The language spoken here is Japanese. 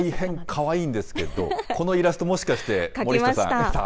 大変かわいいんですけど、このイラスト、もしかして森下さん描きました。